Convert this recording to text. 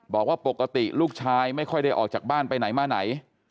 บอกว่าปกติลูกชายไม่ค่อยได้ออกจากบ้านไปไหนมาไหน